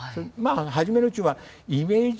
初めのうちはイメージをね